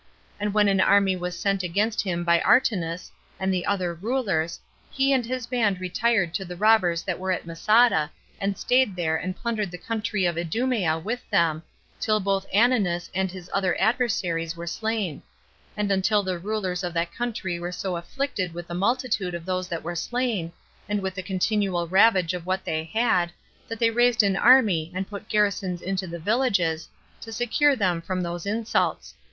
And when an army was sent against him by Artanus, and the other rulers, he and his band retired to the robbers that were at Masada, and staid there, and plundered the country of Idumea with them, till both Ananus and his other adversaries were slain; and until the rulers of that country were so afflicted with the multitude of those that were slain, and with the continual ravage of what they had, that they raised an army, and put garrisons into the villages, to secure them from those insults.